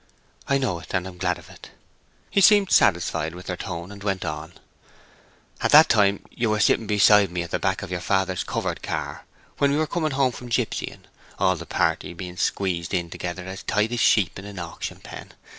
"I know it, and I am glad of it." He seemed satisfied with her tone and went on: "At that time you were sitting beside me at the back of your father's covered car, when we were coming home from gypsying, all the party being squeezed in together as tight as sheep in an auction pen.